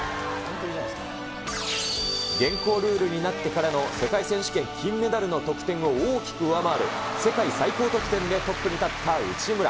現行ルールになってからの世界選手権金メダルの得点を大きく上回る世界最高得点でトップに立った内村。